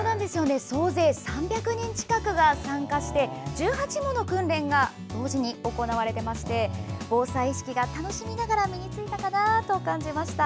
総勢３００人近くが参加し１８もの訓練が同時に行われていまして防災意識が楽しみながら身についたかなと感じました。